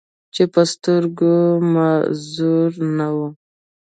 چې پۀ سترګو معذور نۀ وو،